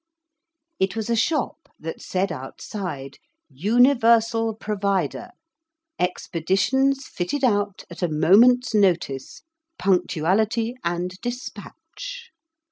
It was a shop that said outside 'Universal Provider. Expeditions fitted out at a moment's notice. Punctuality and dispatch.'